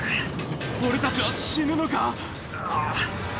俺たちは死ぬのか？